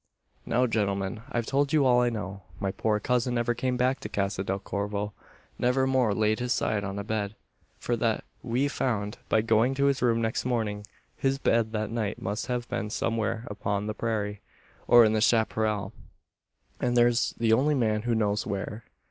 "Now, gentlemen, I've told you all I know. My poor cousin never came back to Casa del Corvo never more laid his side on a bed, for that we found by going to his room next morning. His bed that night must have been somewhere upon the prairie, or in the chapparal; and there's the only man who knows where."